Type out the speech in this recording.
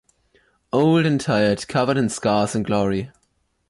Old and tired, covered in scars and glory.